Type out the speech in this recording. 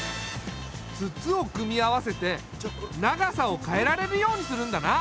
筒を組み合わせて長さを変えられるようにするんだな。